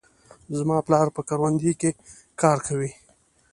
زما پلار په کروندې کې کار کوي.